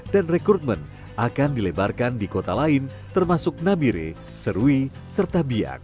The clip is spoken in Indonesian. dan rekrutmen akan dilebarkan di kota lain termasuk nabire serwi serta biak